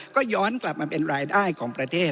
ก็ย้อนกลับมาเป็นรายได้ของประเทศ